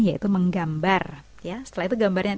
yaitu menggambar ya setelah itu gambarnya